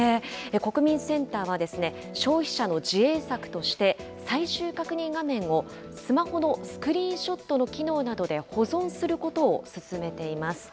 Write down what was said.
国民センターは、消費者の自衛策として、最終確認画面を、スマホのスクリーンショットなどの機能で保存することを勧めています。